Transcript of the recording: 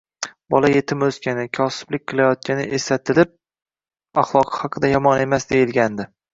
bola yetim o'sgani, kosiblik qilayotgani eslatilib, axloqi haqida «yomon emas» deyilgandi.